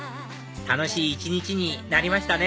楽しい一日になりましたね